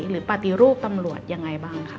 หรือปฏิรูปตำรวจยังไงบ้างคะ